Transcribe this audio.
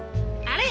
あれ？